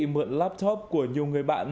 mượn laptop của nhiều người bạn